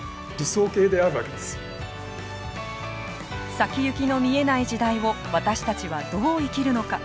先行きの見えない時代を私たちはどう生きるのか。